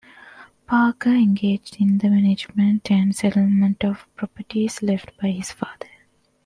Parker engaged in the management and settlement of properties left by his father.